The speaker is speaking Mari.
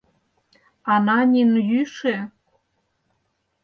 — Ананин йӱшӧ...